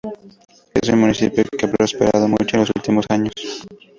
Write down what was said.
Es un Municipio que ha prosperado mucho en los últimos años.